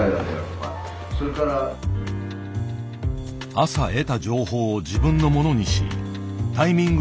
朝得た情報を自分のものにしタイミング